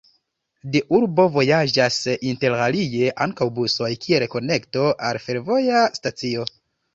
De urbo vojaĝas interalie ankaŭ busoj kiel konekto al fervoja stacio.